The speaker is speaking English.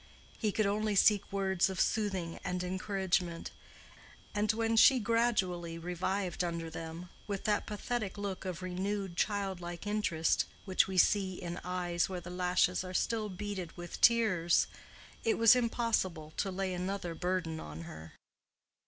He could only seek words of soothing and encouragement: and when she gradually revived under them, with that pathetic look of renewed childlike interest which we see in eyes where the lashes are still beaded with tears, it was impossible to lay another burden on her.